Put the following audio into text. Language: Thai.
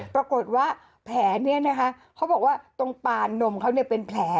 ปรากฏว่าแผลนี้นะคะเขาบอกว่าตรงปานนมเขาเป็นแผล